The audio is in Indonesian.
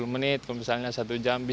tiga puluh menit misalnya satu jam